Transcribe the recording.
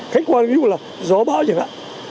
khách quan như là gió bão chẳng hạn